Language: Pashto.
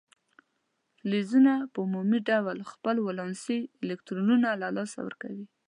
فلزونه په عمومي ډول خپل ولانسي الکترونونه له لاسه ورکوي.